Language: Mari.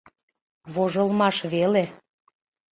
Вожылмаш веле.